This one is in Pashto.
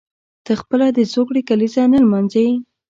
ته خپله د زوکړې کلیزه نه لمانځي.